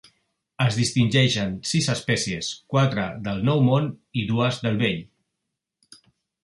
Es distingeixen sis espècies, quatre del Nou Món i dues del Vell.